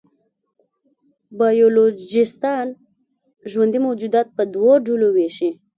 بایولوژېسټان ژوندي موجودات په ډولونو وېشي.